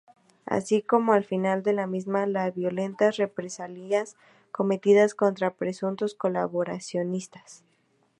Así como al final de la misma las violentas represalias cometidas contra presuntos colaboracionistas.